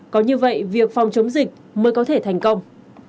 có như vậy việc phòng chống dịch mới có thể thành công